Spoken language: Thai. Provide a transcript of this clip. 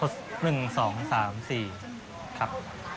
สวัสดีครับ